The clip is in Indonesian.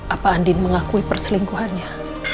apa andin mengakui perselingkuhannya